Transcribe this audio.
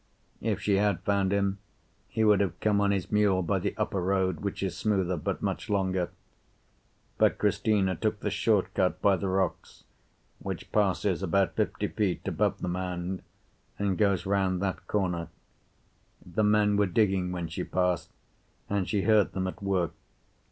If she had found him, he would have come on his mule by the upper road, which is smoother but much longer. But Cristina took the short cut by the rocks, which passes about fifty feet above the mound, and goes round that corner. The men were digging when she passed, and she heard them at work.